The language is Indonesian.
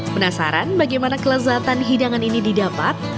penasaran bagaimana kelezatan hidangan ini didapat